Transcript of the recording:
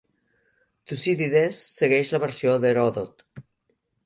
Tucídides segueix la versió d'Heròdot.